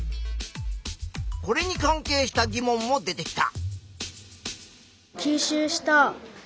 これに関係した疑問も出てきた。